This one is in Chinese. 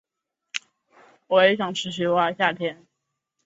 翌年升任金门总兵。